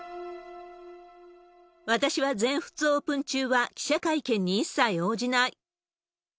私は全仏オープン中は、記者会見に一切応じない。